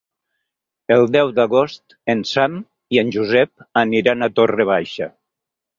El deu d'agost en Sam i en Josep aniran a Torre Baixa.